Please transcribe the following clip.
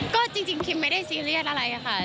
ก็จริงคิมไม่ได้ซีเรียสอะไรค่ะ